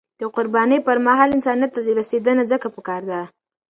د قربانی پر مهال، انسانیت ته رسیدنه ځکه پکار ده.